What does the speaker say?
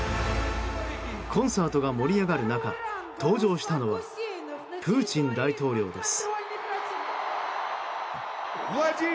コンサートが盛り上がる中登場したのはプーチン大統領です。